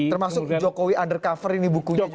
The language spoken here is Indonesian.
termasuk jokowi undercover ini bukunya juga baru